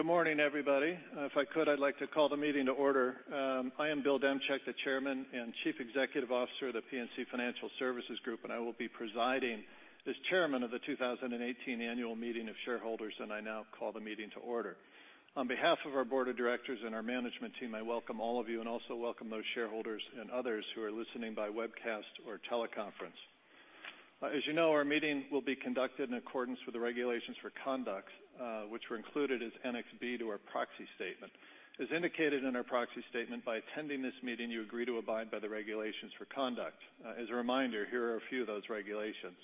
Good morning, everybody. If I could, I'd like to call the meeting to order. I am Bill Demchak, the Chairman and Chief Executive Officer of The PNC Financial Services Group, I will be presiding as Chairman of the 2018 Annual Meeting of Shareholders, I now call the meeting to order. On behalf of our board of directors and our management team, I welcome all of you and also welcome those shareholders and others who are listening by webcast or teleconference. As you know, our meeting will be conducted in accordance with the regulations for conduct, which were included as Annex B to our proxy statement. As indicated in our proxy statement, by attending this meeting, you agree to abide by the regulations for conduct. As a reminder, here are a few of those regulations.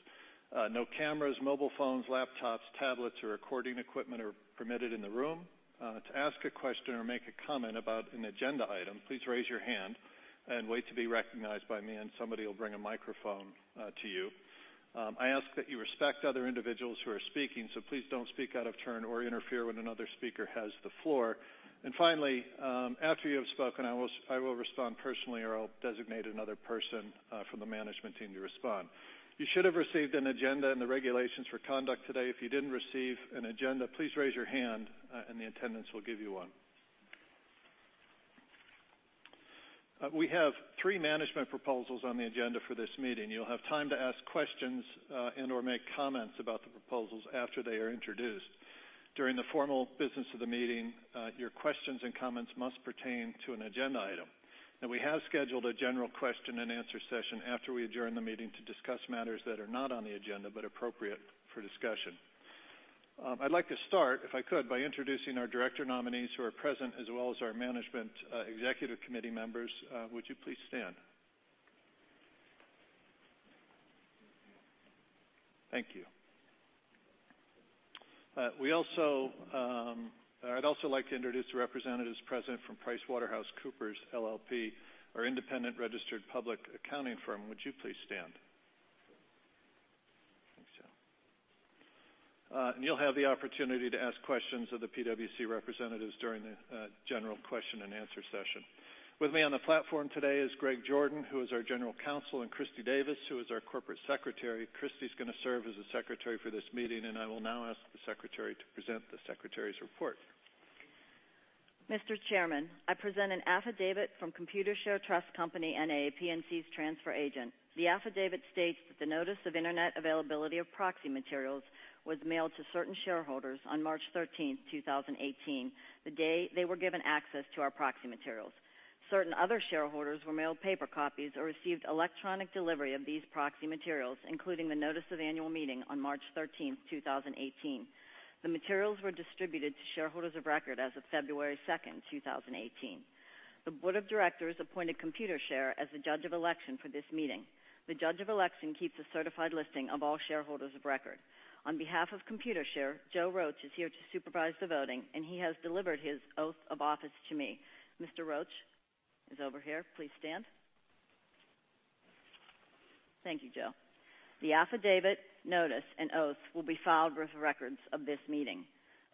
No cameras, mobile phones, laptops, tablets, or recording equipment are permitted in the room. To ask a question or make a comment about an agenda item, please raise your hand and wait to be recognized by me, somebody will bring a microphone to you. I ask that you respect other individuals who are speaking, please don't speak out of turn or interfere when another speaker has the floor. Finally, after you have spoken, I will respond personally, or I'll designate another person from the management team to respond. You should have received an agenda and the regulations for conduct today. If you didn't receive an agenda, please raise your hand, the attendants will give you one. We have three management proposals on the agenda for this meeting. You'll have time to ask questions and/or make comments about the proposals after they are introduced. During the formal business of the meeting, your questions and comments must pertain to an agenda item. We have scheduled a general question and answer session after we adjourn the meeting to discuss matters that are not on the agenda but appropriate for discussion. I'd like to start, if I could, by introducing our director nominees who are present, as well as our management executive committee members. Would you please stand? Thank you. I'd also like to introduce the representatives present from PricewaterhouseCoopers LLP, our independent registered public accounting firm. Would you please stand? Thanks, y'all. You'll have the opportunity to ask questions of the PwC representatives during the general question and answer session. With me on the platform today is Greg Jordan, who is our General Counsel, and Christi Davis, who is our Corporate Secretary. Christi's going to serve as the secretary for this meeting, I will now ask the secretary to present the secretary's report. Mr. Chairman, I present an affidavit from Computershare Trust Company, N.A., PNC's transfer agent. The affidavit states that the notice of internet availability of proxy materials was mailed to certain shareholders on March 13th, 2018, the day they were given access to our proxy materials. Certain other shareholders were mailed paper copies or received electronic delivery of these proxy materials, including the notice of annual meeting on March 13th, 2018. The materials were distributed to shareholders of record as of February 2nd, 2018. The board of directors appointed Computershare as the judge of election for this meeting. The judge of election keeps a certified listing of all shareholders of record. On behalf of Computershare, Joe Roach is here to supervise the voting, he has delivered his oath of office to me. Mr. Roach is over here. Please stand. Thank you, Joe. The affidavit, notice, and oaths will be filed with records of this meeting.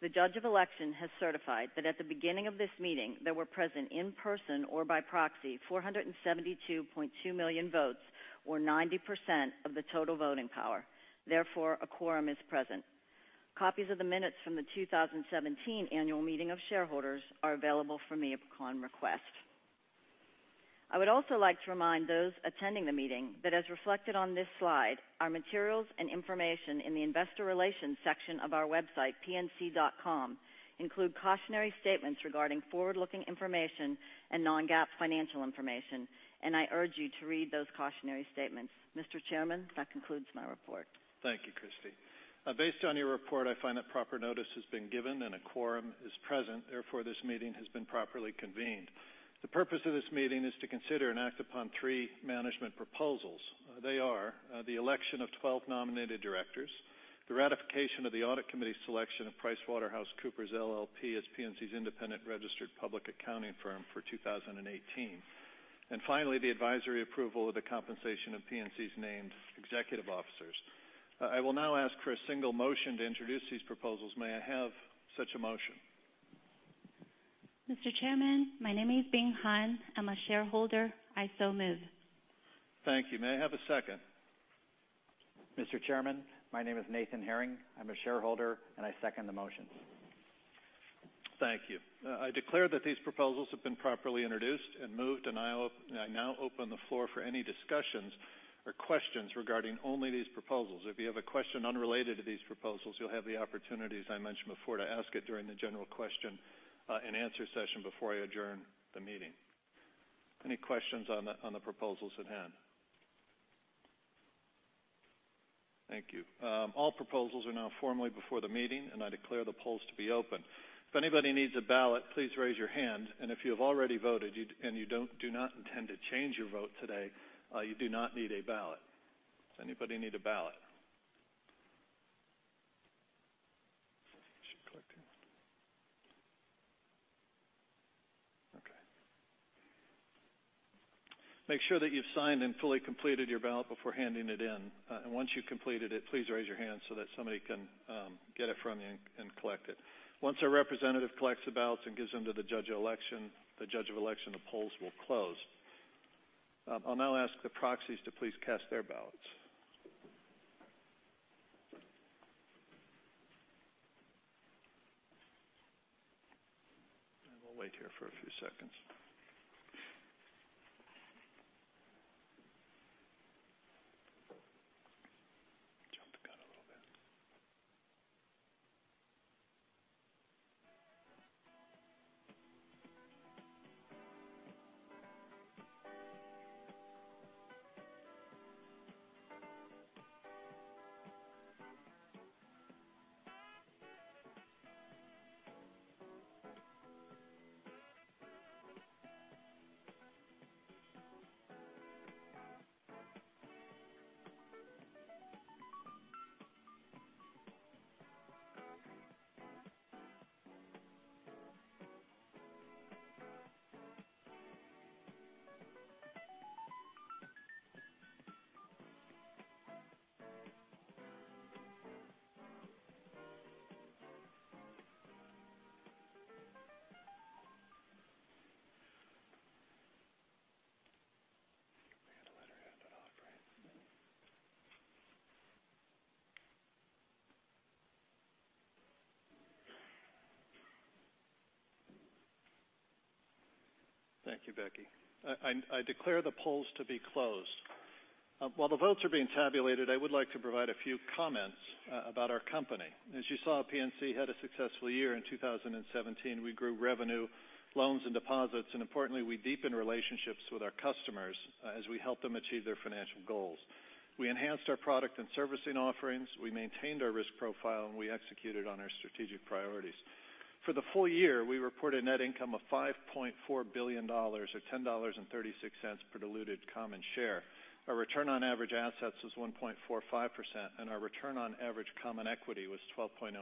The judge of election has certified that at the beginning of this meeting, there were present in person or by proxy, 472.2 million votes, or 90% of the total voting power. Therefore, a quorum is present. Copies of the minutes from the 2017 Annual Meeting of Shareholders are available from me upon request. I would also like to remind those attending the meeting that as reflected on this slide, our materials and information in the investor relations section of our website, pnc.com, include cautionary statements regarding forward-looking information and non-GAAP financial information. I urge you to read those cautionary statements. Mr. Chairman, that concludes my report. Thank you, Christi. Based on your report, I find that proper notice has been given and a quorum is present. Therefore, this meeting has been properly convened. The purpose of this meeting is to consider and act upon three management proposals. They are the election of 12 nominated directors, the ratification of the audit committee's selection of PricewaterhouseCoopers LLP as PNC's independent registered public accounting firm for 2018. Finally, the advisory approval of the compensation of PNC's named executive officers. I will now ask for a single motion to introduce these proposals. May I have such a motion? Mr. Chairman, my name is Bing Han. I'm a shareholder. I so move. Thank you. May I have a second? Mr. Chairman, my name is Nathan Herring. I'm a shareholder, and I second the motion. Thank you. I declare that these proposals have been properly introduced and moved, and I now open the floor for any discussions or questions regarding only these proposals. If you have a question unrelated to these proposals, you'll have the opportunity, as I mentioned before, to ask it during the general question and answer session before I adjourn the meeting. Any questions on the proposals at hand? Thank you. All proposals are now formally before the meeting, and I declare the polls to be open. If anybody needs a ballot, please raise your hand. If you have already voted and you do not intend to change your vote today, you do not need a ballot. Does anybody need a ballot? She collected. Okay. Make sure that you've signed and fully completed your ballot before handing it in. Once you've completed it, please raise your hand so that somebody can get it from you and collect it. Once our representative collects the ballots and gives them to the judge of election, the polls will close. I'll now ask the proxies to please cast their ballots. We'll wait here for a few seconds. Jump the gun a little bit. We're going to let her have it all, Brad. Thank you, Becky. I declare the polls to be closed. While the votes are being tabulated, I would like to provide a few comments about our company. As you saw, PNC had a successful year in 2017. We grew revenue, loans, and deposits, and importantly, we deepened relationships with our customers as we helped them achieve their financial goals. We enhanced our product and servicing offerings, we maintained our risk profile, and we executed on our strategic priorities. For the full year, we reported net income of $5.4 billion, or $10.36 per diluted common share. Our return on average assets was 1.45%, and our return on average common equity was 12.09%.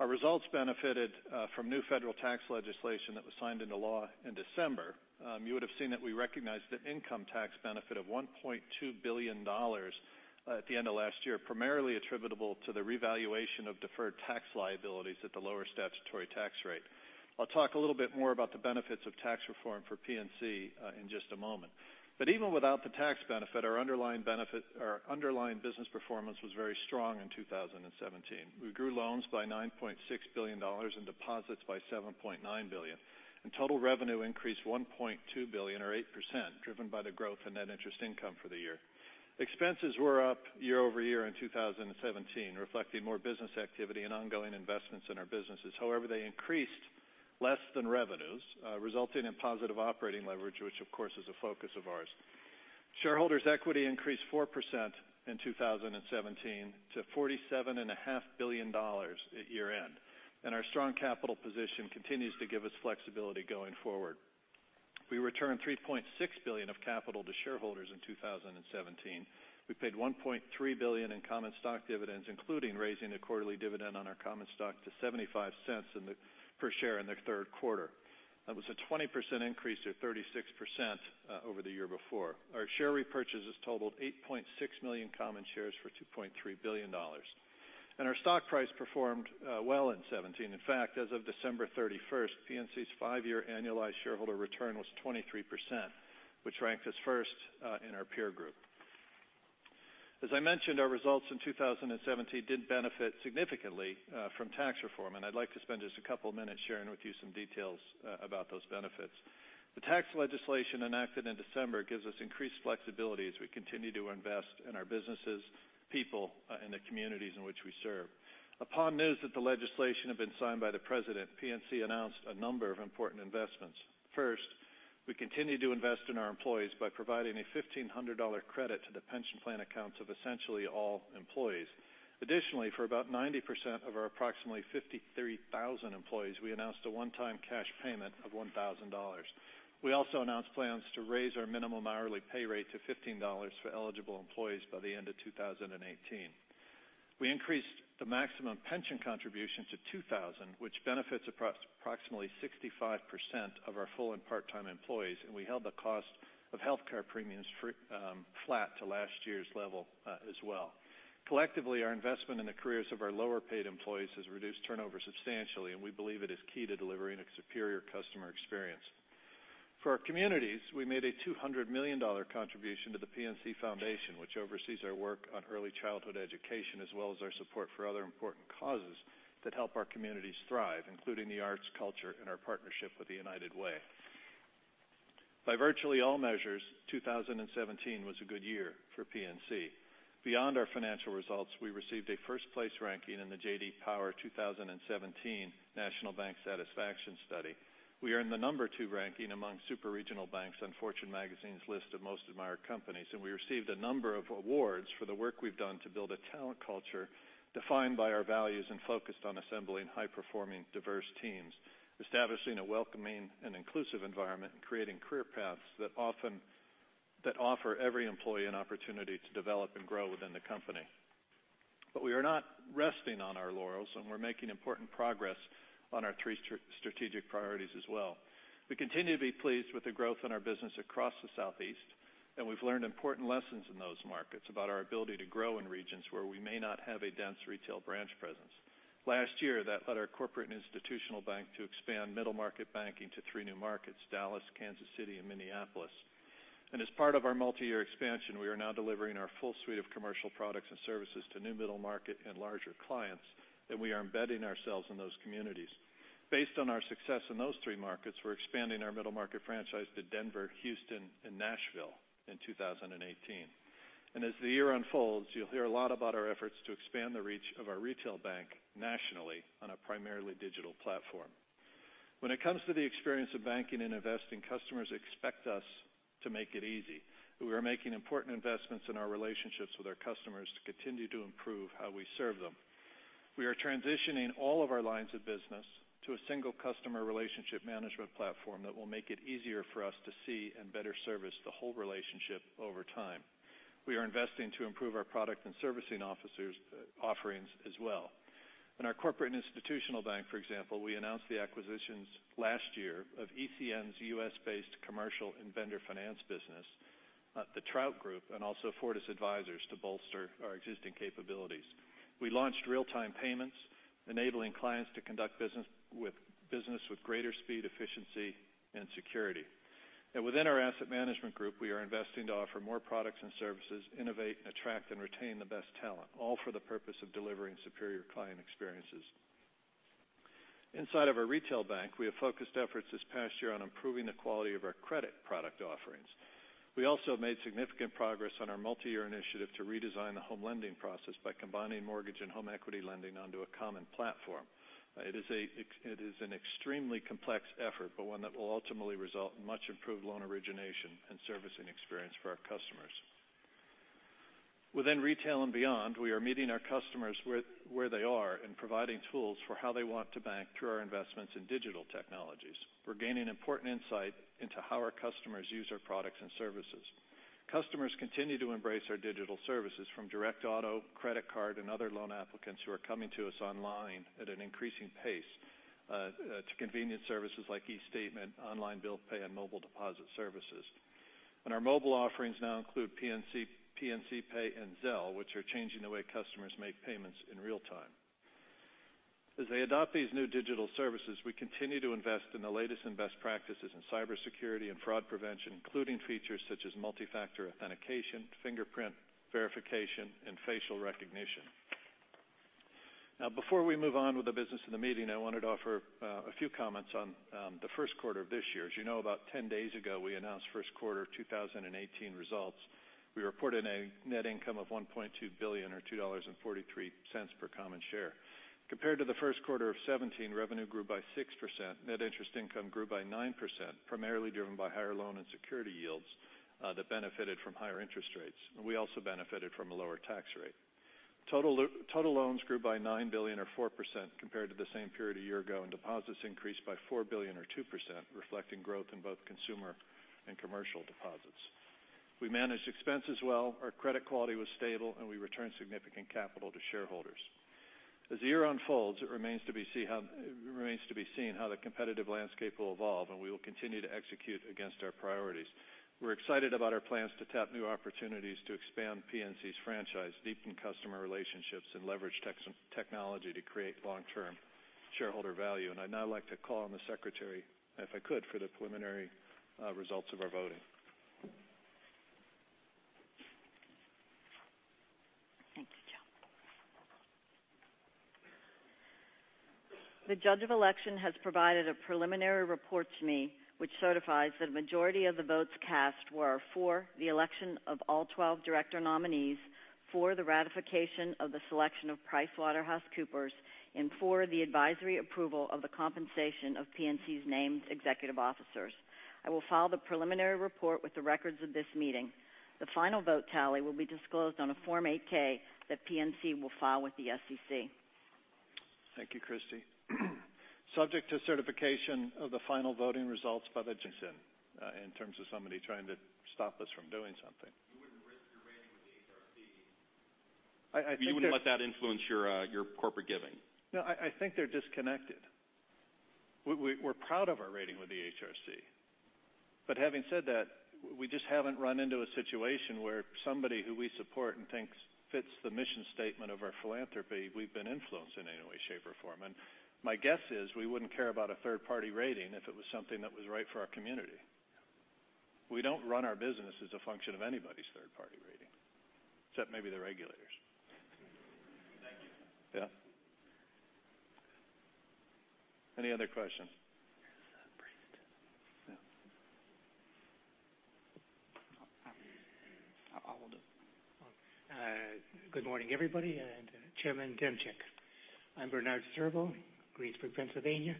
Our results benefited from new federal tax legislation that was signed into law in December. You would have seen that we recognized an income tax benefit of $1.2 billion at the end of last year, primarily attributable to the revaluation of deferred tax liabilities at the lower statutory tax rate. I'll talk a little bit more about the benefits of tax reform for PNC in just a moment. Even without the tax benefit, our underlying business performance was very strong in 2017. We grew loans by $9.6 billion and deposits by $7.9 billion. Total revenue increased $1.2 billion or 8%, driven by the growth in net interest income for the year. Expenses were up year-over-year in 2017, reflecting more business activity and ongoing investments in our businesses. However, they increased less than revenues, resulting in positive operating leverage, which, of course, is a focus of ours. Shareholders' equity increased 4% in 2017 to $47.5 billion at year-end. Our strong capital position continues to give us flexibility going forward. We returned $3.6 billion of capital to shareholders in 2017. We paid $1.3 billion in common stock dividends, including raising a quarterly dividend on our common stock to $0.75 per share in the third quarter. That was a 20% increase to 36% over the year before. Our share repurchases totaled 8.6 million common shares for $2.3 billion. Our stock price performed well in 2017. In fact, as of December 31st, PNC's five-year annualized shareholder return was 23%, which ranked us first in our peer group. As I mentioned, our results in 2017 did benefit significantly from tax reform. I'd like to spend just a couple of minutes sharing with you some details about those benefits. The tax legislation enacted in December gives us increased flexibility as we continue to invest in our businesses, people, and the communities in which we serve. Upon news that the legislation had been signed by the President, PNC announced a number of important investments. First, we continued to invest in our employees by providing a $1,500 credit to the pension plan accounts of essentially all employees. Additionally, for about 90% of our approximately 53,000 employees, we announced a one-time cash payment of $1,000. We also announced plans to raise our minimum hourly pay rate to $15 for eligible employees by the end of 2018. We increased the maximum pension contribution to $2,000, which benefits approximately 65% of our full and part-time employees. We held the cost of healthcare premiums flat to last year's level as well. Collectively, our investment in the careers of our lower-paid employees has reduced turnover substantially. We believe it is key to delivering a superior customer experience. For our communities, we made a $200 million contribution to the PNC Foundation, which oversees our work on early childhood education, as well as our support for other important causes that help our communities thrive, including the arts, culture, and our partnership with the United Way. By virtually all measures, 2017 was a good year for PNC. Beyond our financial results, we received a first-place ranking in the J.D. Power 2017 National Bank Satisfaction Study. We earned the number two ranking among super regional banks on Fortune Magazine's list of most admired companies. We received a number of awards for the work we've done to build a talent culture defined by our values and focused on assembling high-performing diverse teams, establishing a welcoming and inclusive environment and creating career paths that offer every employee an opportunity to develop and grow within the company. We are not resting on our laurels. We're making important progress on our three strategic priorities as well. We continue to be pleased with the growth in our business across the Southeast. We've learned important lessons in those markets about our ability to grow in regions where we may not have a dense retail branch presence. Last year, that led our corporate institutional bank to expand middle-market banking to three new markets, Dallas, Kansas City, and Minneapolis. As part of our multi-year expansion, we are now delivering our full suite of commercial products and services to new middle-market and larger clients, and we are embedding ourselves in those communities. Based on our success in those three markets, we're expanding our middle-market franchise to Denver, Houston, and Nashville in 2018. As the year unfolds, you'll hear a lot about our efforts to expand the reach of our retail bank nationally on a primarily digital platform. When it comes to the experience of banking and investing, customers expect us to make it easy. We are making important investments in our relationships with our customers to continue to improve how we serve them. We are transitioning all of our lines of business to a single customer relationship management platform that will make it easier for us to see and better service the whole relationship over time. We are investing to improve our product and servicing offerings as well. In our corporate and institutional bank, for example, we announced the acquisitions last year of ECN's U.S.-based commercial and vendor finance business, The Trout Group, and also Fortis Advisors to bolster our existing capabilities. We launched real-time payments, enabling clients to conduct business with greater speed, efficiency, and security. Within our asset management group, we are investing to offer more products and services, innovate, attract, and retain the best talent, all for the purpose of delivering superior client experiences. Inside of our retail bank, we have focused efforts this past year on improving the quality of our credit product offerings. We also made significant progress on our multi-year initiative to redesign the home lending process by combining mortgage and home equity lending onto a common platform. It is an extremely complex effort, but one that will ultimately result in much improved loan origination and servicing experience for our customers. Within retail and beyond, we are meeting our customers where they are and providing tools for how they want to bank through our investments in digital technologies. We're gaining important insight into how our customers use our products and services. Customers continue to embrace our digital services from direct auto, credit card, and other loan applicants who are coming to us online at an increasing pace, to convenient services like eStatement, online bill pay, and mobile deposit services. Our mobile offerings now include PNC Pay and Zelle, which are changing the way customers make payments in real time. As they adopt these new digital services, we continue to invest in the latest and best practices in cybersecurity and fraud prevention, including features such as multi-factor authentication, fingerprint verification, and facial recognition. Now, before we move on with the business of the meeting, I wanted to offer a few comments on the first quarter of this year. As you know, about 10 days ago, we announced first quarter 2018 results. We reported a net income of $1.2 billion, or $2.43 per common share. Compared to the first quarter of 2017, revenue grew by 6%, net interest income grew by 9%, primarily driven by higher loan and security yields that benefited from higher interest rates. We also benefited from a lower tax rate. Total loans grew by $9 billion or 4% compared to the same period a year ago, deposits increased by $4 billion or 2%, reflecting growth in both consumer and commercial deposits. We managed expenses well, our credit quality was stable, and we returned significant capital to shareholders. As the year unfolds, it remains to be seen how the competitive landscape will evolve, we will continue to execute against our priorities. We're excited about our plans to tap new opportunities to expand PNC's franchise, deepen customer relationships, and leverage technology to create long-term shareholder value. I'd now like to call on the Secretary, if I could, for the preliminary results of our voting. Thank you, Bill. The Judge of Election has provided a preliminary report to me, which certifies that a majority of the votes cast were for the election of all 12 director nominees for the ratification of the selection of PricewaterhouseCoopers and for the advisory approval of the compensation of PNC's named executive officers. I will file the preliminary report with the records of this meeting. The final vote tally will be disclosed on a Form 8-K that PNC will file with the SEC. Thank you, Christi. Subject to certification of the final voting results. In terms of somebody trying to stop us from doing something. You wouldn't risk your rating with the HRC. I think. You wouldn't let that influence your corporate giving. No, I think they're disconnected. We're proud of our rating with the HRC. Having said that, we just haven't run into a situation where somebody who we support and think fits the mission statement of our philanthropy, we've been influenced in any way, shape, or form. My guess is we wouldn't care about a third-party rating if it was something that was right for our community. We don't run our business as a function of anybody's third-party rating, except maybe the regulators. Thank you. Yeah. Any other questions? There's a priest. Yeah. I'll do. Good morning, everybody, and Chairman Demchak. I'm Bernard Survil, Greensburg, Pennsylvania,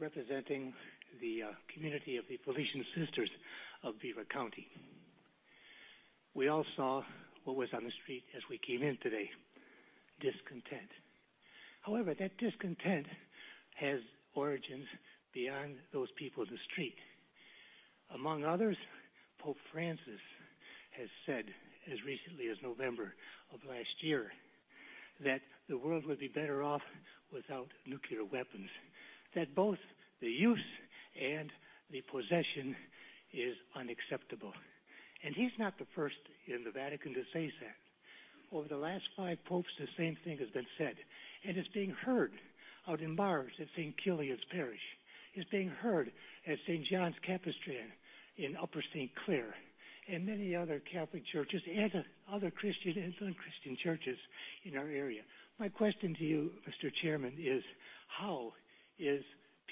representing the community of the Salesian Sisters of Beaver County. We all saw what was on the street as we came in today, discontent. That discontent has origins beyond those people in the street. Among others, Pope Francis has said as recently as November of last year that the world would be better off without nuclear weapons. That both the use and the possession is unacceptable. He's not the first in the Vatican to say that. Over the last five popes, the same thing has been said, and it's being heard out in bars at St. Kilian Parish. It's being heard at St. John Capistran in Upper St. Clair, and many other Catholic churches, and other Christian and non-Christian churches in our area. My question to you, Mr. Chairman, is how is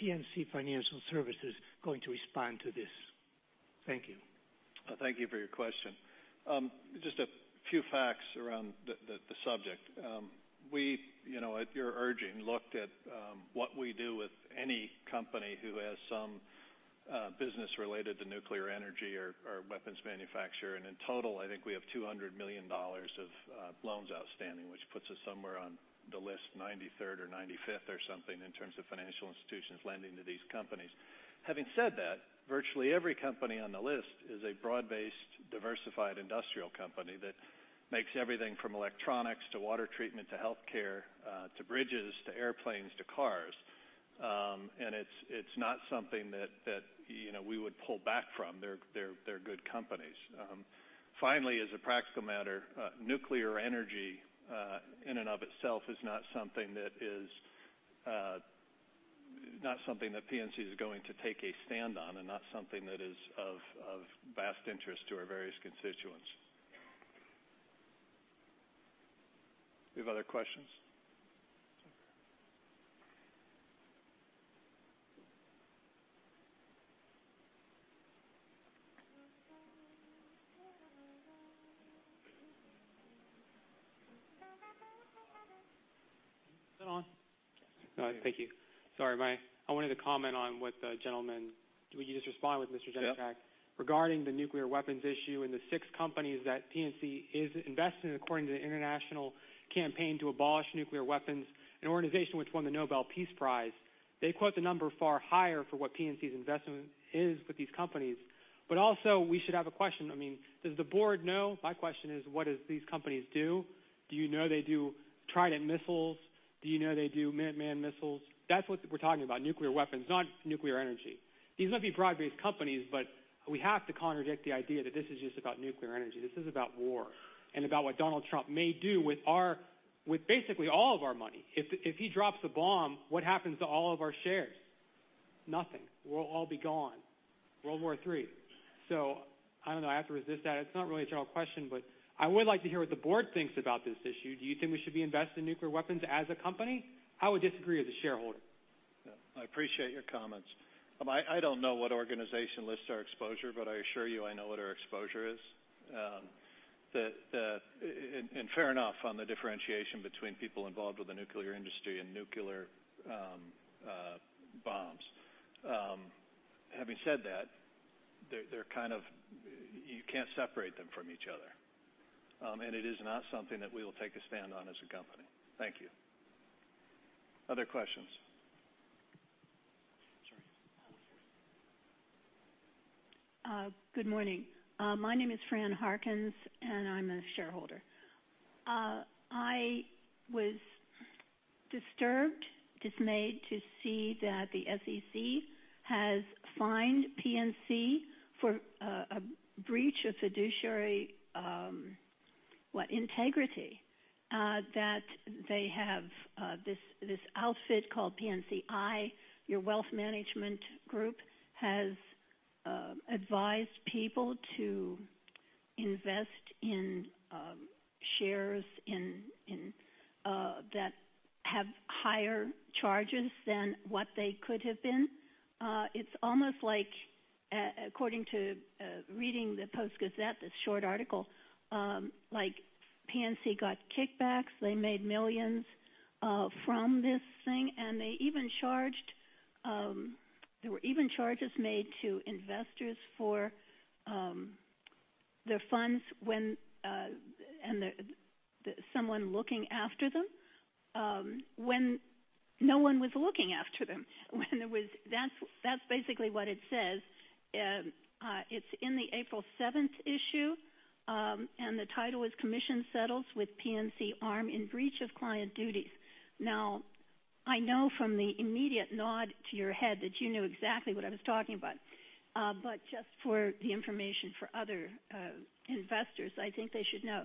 PNC Financial Services going to respond to this? Thank you. Thank you for your question. Just a few facts around the subject. We, at your urging, looked at what we do with any company who has some business related to nuclear energy or weapons manufacture. In total, I think we have $200 million of loans outstanding, which puts us somewhere on the list, 93rd or 95th or something, in terms of financial institutions lending to these companies. Having said that, virtually every company on the list is a broad-based, diversified industrial company that makes everything from electronics to water treatment, to healthcare, to bridges, to airplanes, to cars. It's not something that we would pull back from. They're good companies. Finally, as a practical matter, nuclear energy, in and of itself, is not something that PNC is going to take a stand on and not something that is of vast interest to our various constituents. Do we have other questions? Is it on? Thank you. Sorry. I wanted to comment on what the gentleman, what you just respond with, Mr. Demchak. Yeah. Regarding the nuclear weapons issue and the six companies that PNC is invested in according to the International Campaign to Abolish Nuclear Weapons, an organization which won the Nobel Peace Prize. They quote the number far higher for what PNC's investment is with these companies. Also, we should have a question. Does the board know? My question is, what do these companies do? Do you know they do Trident missiles? Do you know they do Minuteman missiles? That's what we're talking about, nuclear weapons, not nuclear energy. These might be broad-based companies, but we have to contradict the idea that this is just about nuclear energy. This is about war and about what Donald Trump may do with basically all of our money. If he drops a bomb, what happens to all of our shares? Nothing. We'll all be gone. World War III. I don't know. I have to resist that. It's not really a general question, but I would like to hear what the board thinks about this issue. Do you think we should be invested in nuclear weapons as a company? I would disagree as a shareholder. Yeah. I appreciate your comments. I don't know what organization lists our exposure, but I assure you, I know what our exposure is. Fair enough on the differentiation between people involved with the nuclear industry and nuclear bombs. Having said that, you can't separate them from each other. It is not something that we will take a stand on as a company. Thank you. Other questions? Sorry. Good morning. My name is Fran Harkins, and I'm a shareholder. I was disturbed, dismayed to see that the SEC has fined PNC for a breach of fiduciary integrity, that they have this outfit called PNC I-Hub. Your wealth management group has advised people to invest in shares that have higher charges than what they could have been. It's almost like, according to reading the Post-Gazette, this short article, like PNC got kickbacks. They made $ millions from this thing. There were even charges made to investors for their funds and someone looking after them when no one was looking after them. That's basically what it says. It's in the April 7th issue. The title is, "Commission Settles with PNC Arm in Breach of Client Duties." I know from the immediate nod to your head that you knew exactly what I was talking about. Just for the information for other investors, I think they should know.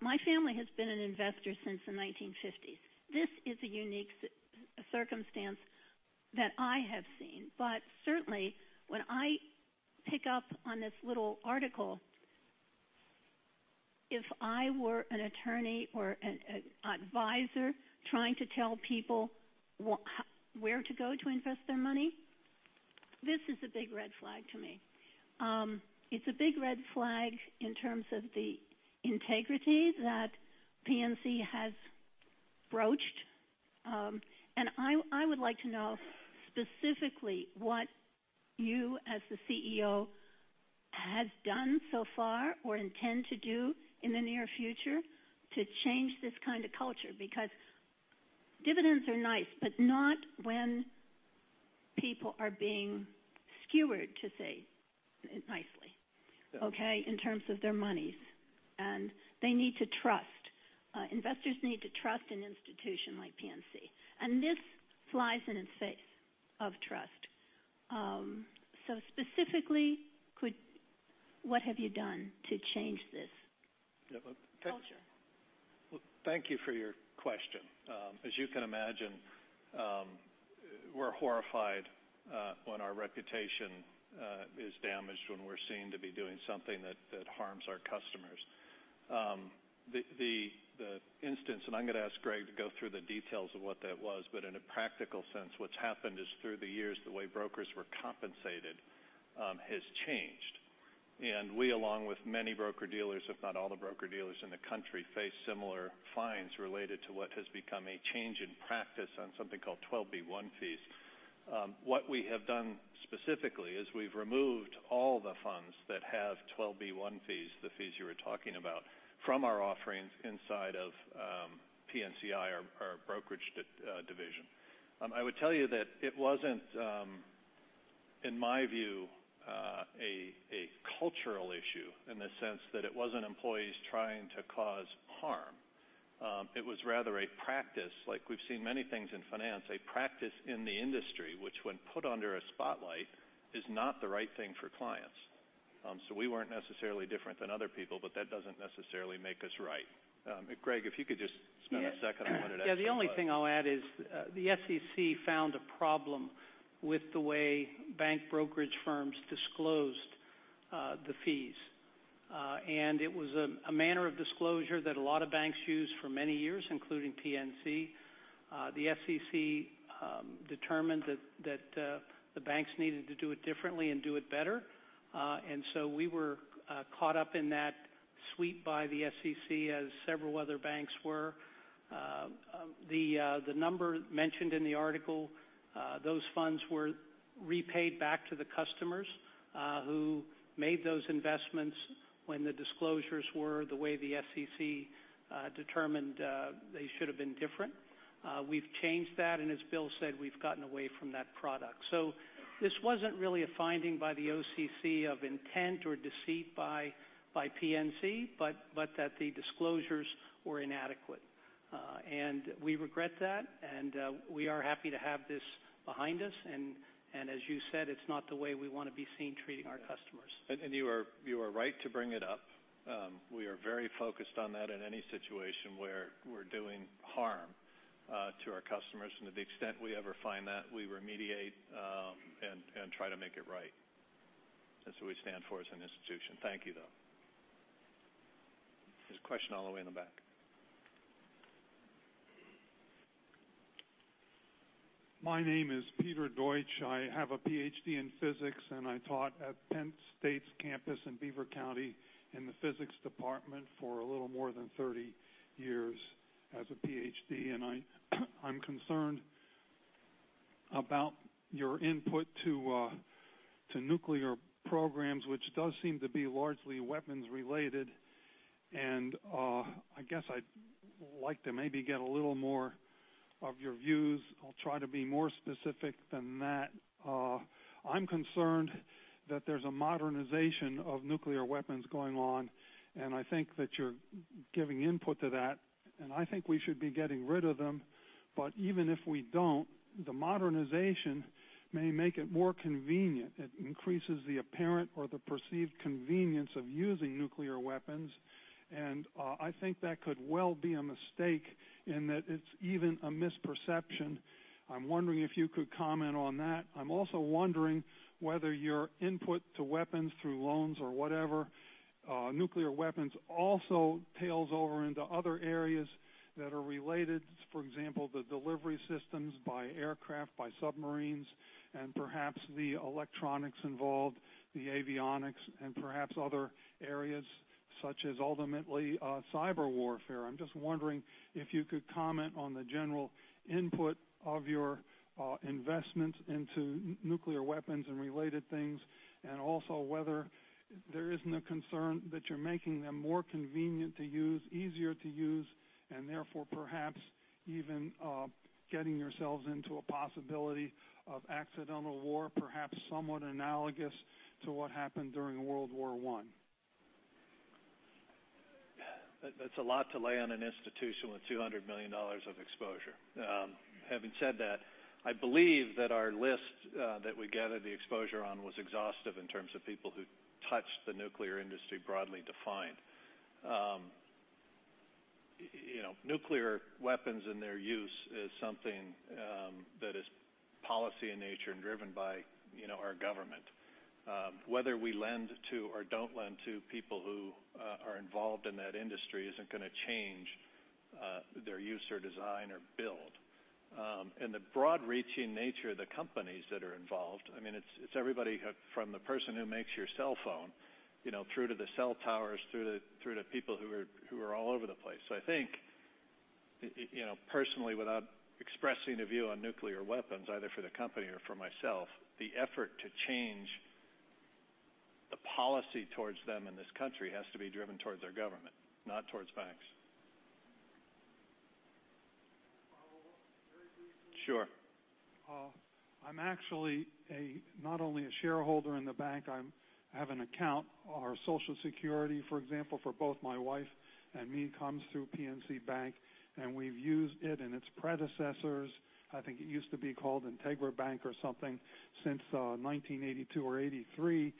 My family has been an investor since the 1950s. This is a unique circumstance that I have seen. Certainly, when I pick up on this little article, if I were an attorney or an advisor trying to tell people where to go to invest their money, this is a big red flag to me. It's a big red flag in terms of the integrity that PNC has broached. I would like to know specifically what you, as the CEO, have done so far or intend to do in the near future to change this kind of culture, because dividends are nice, but not when people are being skewered, to say it nicely. Yes. Okay? In terms of their monies. They need to trust. Investors need to trust an institution like PNC, and this flies in its face of trust. Specifically, what have you done to change this culture? Thank you for your question. As you can imagine, we're horrified when our reputation is damaged, when we're seen to be doing something that harms our customers. The instance, and I'm going to ask Greg to go through the details of what that was, but in a practical sense, what's happened is through the years, the way brokers were compensated has changed. We, along with many broker-dealers, if not all the broker-dealers in the country, face similar fines related to what has become a change in practice on something called 12b-1 fees. What we have done specifically is we've removed all the funds that have 12b-1 fees, the fees you were talking about, from our offerings inside of PNC, our brokerage division. I would tell you that it wasn't, in my view, a cultural issue in the sense that it wasn't employees trying to cause harm. It was rather a practice, like we've seen many things in finance, a practice in the industry, which when put under a spotlight, is not the right thing for clients. We weren't necessarily different than other people, but that doesn't necessarily make us right. Greg, if you could just spend a second on it. The only thing I'll add is the SEC found a problem with the way bank brokerage firms disclosed the fees. It was a manner of disclosure that a lot of banks used for many years, including PNC. The SEC determined that the banks needed to do it differently and do it better. We were caught up in that sweep by the SEC, as several other banks were. The number mentioned in the article, those funds were repaid back to the customers who made those investments when the disclosures were the way the SEC determined they should've been different. We've changed that, and as Bill said, we've gotten away from that product. This wasn't really a finding by the SEC of intent or deceit by PNC, but that the disclosures were inadequate. We regret that, and we are happy to have this behind us. As you said, it's not the way we want to be seen treating our customers. You are right to bring it up. We are very focused on that in any situation where we're doing harm to our customers. To the extent we ever find that, we remediate and try to make it right. That's what we stand for as an institution. Thank you, though. There's a question all the way in the back. My name is Peter Deutsch. I have a PhD in physics, and I taught at Penn State's campus in Beaver County in the physics department for a little more than 30 years as a PhD. I'm concerned about your input to nuclear programs, which does seem to be largely weapons related. I guess I'd like to maybe get a little more of your views. I'll try to be more specific than that. I'm concerned that there's a modernization of nuclear weapons going on, I think that you're giving input to that, I think we should be getting rid of them. Even if we don't, the modernization may make it more convenient. It increases the apparent or the perceived convenience of using nuclear weapons. I think that could well be a mistake in that it's even a misperception. I'm wondering if you could comment on that. I'm also wondering whether your input to weapons through loans or whatever, nuclear weapons also pales over into other areas that are related. For example, the delivery systems by aircraft, by submarines, and perhaps the electronics involved, the avionics, and perhaps other areas, such as ultimately cyber warfare. I'm just wondering if you could comment on the general input of your investments into nuclear weapons and related things, and also whether there isn't a concern that you're making them more convenient to use, easier to use, and therefore, perhaps even getting yourselves into a possibility of accidental war, perhaps somewhat analogous to what happened during World War I. That's a lot to lay on an institution with $200 million of exposure. Having said that, I believe that our list that we gathered the exposure on was exhaustive in terms of people who touched the nuclear industry, broadly defined. Nuclear weapons and their use is something that is policy in nature and driven by our government. Whether we lend to or don't lend to people who are involved in that industry isn't going to change their use or design or build. The broad-reaching nature of the companies that are involved, it's everybody from the person who makes your cell phone, through to the cell towers, through to people who are all over the place. I think, personally, without expressing a view on nuclear weapons, either for the company or for myself, the effort to change the policy towards them in this country has to be driven towards our government, not towards banks. Follow-up? Sure. I'm actually not only a shareholder in the bank, I have an account. Our social security, for example, for both my wife and me, comes through PNC Bank, and we've used it and its predecessors, I think it used to be called Integra Bank or something, since 1982 or 1983.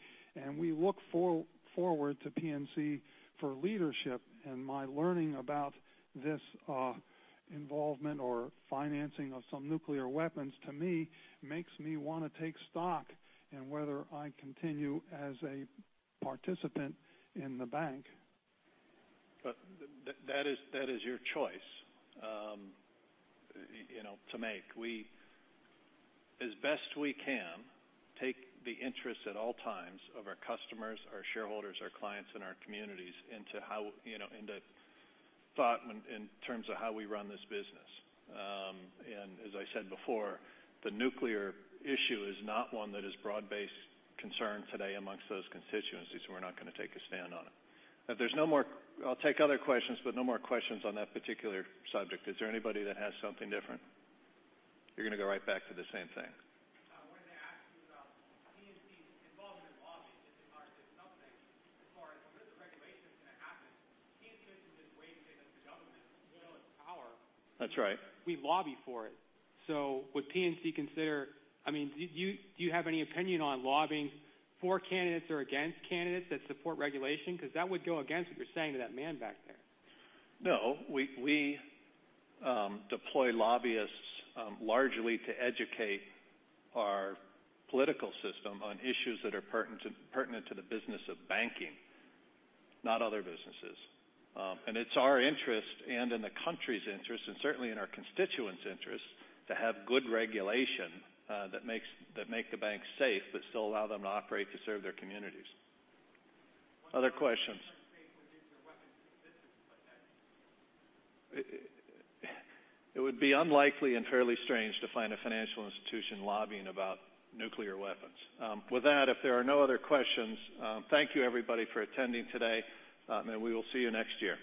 We look forward to PNC for leadership. My learning about this involvement or financing of some nuclear weapons, to me, makes me want to take stock in whether I continue as a participant in the bank. That is your choice to make. We, as best we can, take the interest at all times of our customers, our shareholders, our clients, and our communities into thought in terms of how we run this business. As I said before, the nuclear issue is not one that is broad-based concern today amongst those constituencies, and we're not going to take a stand on it. I'll take other questions, but no more questions on that particular subject. Is there anybody that has something different? You're going to go right back to the same thing. I wanted to ask you about PNC's involvement in lobbying as it relates to some things. As far as if the regulation is going to happen, PNC says it's waiting to see that the government will empower- That's right we lobby for it. Do you have any opinion on lobbying for candidates or against candidates that support regulation? That would go against what you're saying to that man back there. No. We deploy lobbyists largely to educate our political system on issues that are pertinent to the business of banking, not other businesses. It's our interest and in the country's interest, and certainly in our constituents' interest, to have good regulation that make the banks safe, but still allow them to operate to serve their communities. Other questions? weapons systems, It would be unlikely and fairly strange to find a financial institution lobbying about nuclear weapons. With that, if there are no other questions, thank you everybody for attending today, and we will see you next year.